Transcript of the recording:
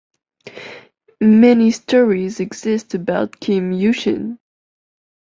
Many stories exist about Kim Yushin.